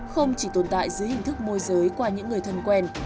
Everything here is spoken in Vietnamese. không chỉ tồn tại dưới hình thức môi giới qua những người thân quen